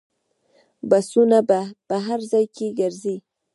بسونه په هر ځای کې ګرځي.